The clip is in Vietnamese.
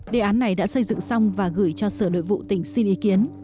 đề án này đã xây dựng xong và gửi cho sở nội vụ tỉnh xin ý kiến